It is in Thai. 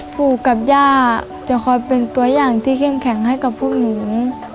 ปู่กับย่าจะคอยเป็นตัวอย่างที่เข้มแข็งให้กับพวกหนู